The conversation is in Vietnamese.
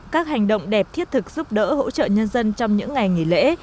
các hành động đẹp thiết thực giúp đỡ hỗ trợ nhân dân trong những ngày nghỉ lễ